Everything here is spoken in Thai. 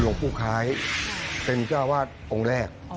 หลวงพู่ค้ายเส้นเจ้าวัดองค์แรก